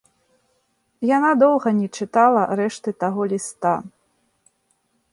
Яна доўга не чытала рэшты таго ліста.